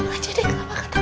ya ini aja deh gak bakal takut